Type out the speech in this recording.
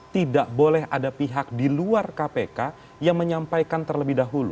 tidak boleh ada pihak di luar kpk yang menyampaikan terlebih dahulu